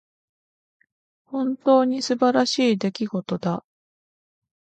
本当に素晴らしい出来事だ。